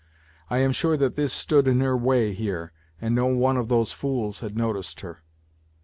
I am sure that this stood in her way here, and no one of those fools had noticed her.